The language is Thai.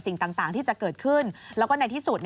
สิ่งต่างที่จะเกิดขึ้นแล้วก็ในที่สุด